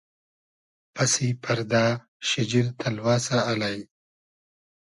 پئسی پئردۂ شیجیر تئلوئسۂ الݷ